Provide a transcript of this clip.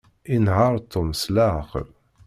Inehheṛ Tom s leɛqel.